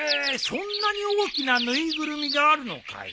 そんなに大きな縫いぐるみがあるのかい？